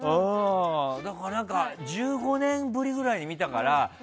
だから、何か１５年ぶりぐらいに見たから。